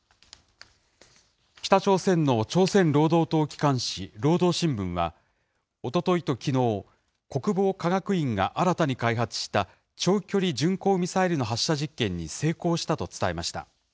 北朝鮮の朝鮮労働党機関紙、労働新聞は、おとといときのう、国防科学院が新たに開発した長距離巡航ミサイルの発射実験に成功したと伝えました。